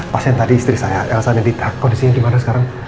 pasien tadi istri saya elsa nidita kondisinya gimana sekarang